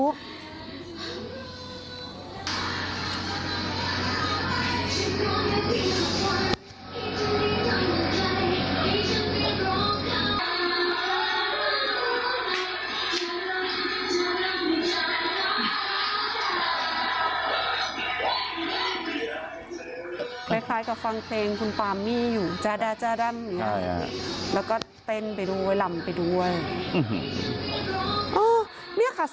คุณปุ้ยอายุ๓๒นางความร้องไห้พูดคนเดี๋ยว